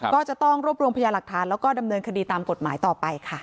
ก็จะต้องรวบรวมพยาหลักฐานแล้วก็ดำเนินคดีตามกฎหมายต่อไปค่ะ